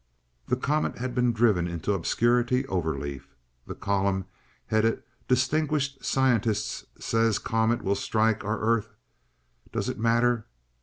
The comet had been driven into obscurity overleaf. The column headed "Distinguished Scientist says Comet will Strike our Earth. Does it Matter?"